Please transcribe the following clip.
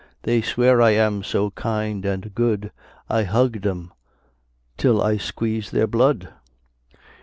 They swear I am so kind and good, I hug them till I squeeze their blood.